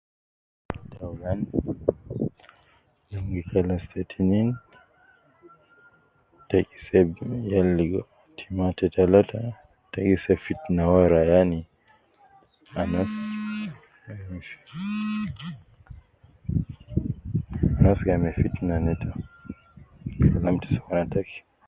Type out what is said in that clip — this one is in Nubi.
Taulan num gi kalas te tinin te gi seb yal ligo tima te talata te gi seb fitna wara yani anas ,anas gai me fina neta me Kalam te sokolna taki